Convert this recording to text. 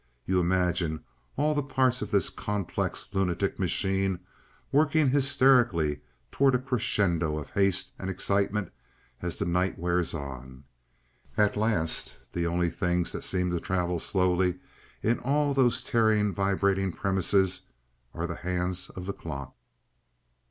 You imagine all the parts of this complex lunatic machine working hysterically toward a crescendo of haste and excitement as the night wears on. At last the only things that seem to travel slowly in all those tearing vibrating premises are the hands of the clock.